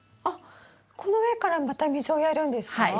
あっこの上からまた水をやるんですか？